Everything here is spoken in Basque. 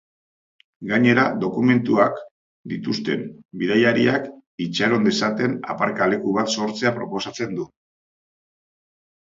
Gainera, dokumentuak dituzten bidaiariak itxaron dezaten aparkaleku bat sortzea proposatzen du.